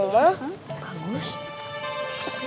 itu mau kemet